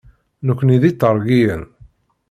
Nekni d Itergiyen.